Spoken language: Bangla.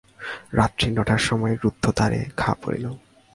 রাত্রি নটার সময় রুদ্ধ দ্বারে ঘা পড়িল।